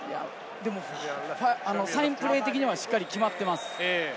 でもサインプレー的にはしっかり決まっています。